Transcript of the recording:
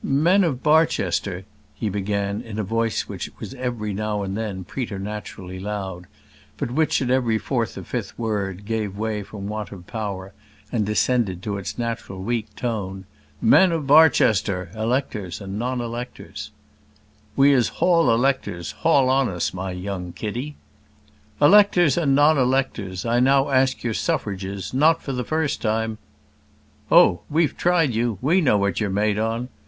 "Men of Barchester," he began, in a voice which was every now and then preternaturally loud, but which, at each fourth or fifth word, gave way from want of power, and descended to its natural weak tone. "Men of Barchester electors and non electors " "We is hall electors; hall on us, my young kiddy." "Electors and non electors, I now ask your suffrages, not for the first time " "Oh! we've tried you. We know what you're made on.